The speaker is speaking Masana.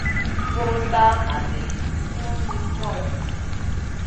Vuruta ka li summun nik moyo.